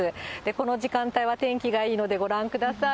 この時間帯は天気がいいので、ご覧ください。